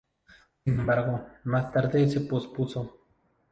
Sin embargo, más tarde se pospuso.